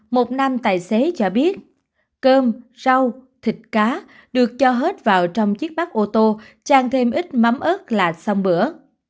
một nam tài xế cho biết cơm rau thịt cá được cho hết vào trong chiếc bắp ô tô trang thêm ít mắm ớt là xong bữa